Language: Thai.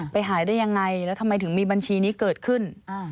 หายได้ยังไงแล้วทำไมถึงมีบัญชีนี้เกิดขึ้น